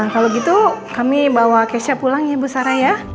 kalau gitu kami bawa kesya pulang ya ibu sarah ya